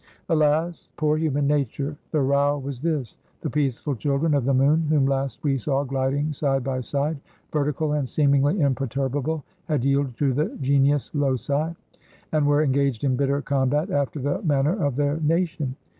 Alas! poor human nature; the row was this. The peaceful children of the moon, whom last we saw gliding side by side, vertical and seemingly imperturbable, had yielded to the genius loci, and were engaged in bitter combat, after the manner of their nation.